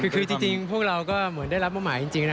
คือจริงพวกเราก็เหมือนได้รับมอบหมายจริงนะ